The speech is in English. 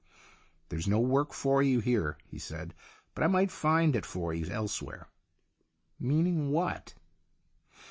" There's no work for you here," he said. " But I might find it for you elsewhere." " Meaning what